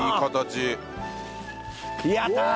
やったー！